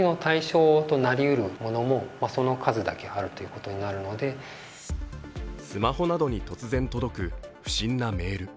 更に、身近な場所でもスマホなどに突然届く不審なメール。